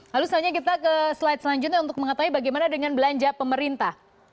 lalu selanjutnya kita ke slide selanjutnya untuk mengetahui bagaimana dengan belanja pemerintah